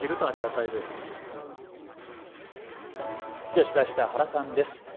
では、取材した原さんです。